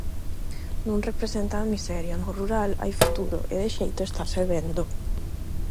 Non representa a miseria, no rural hai futuro e de feito estase vendo.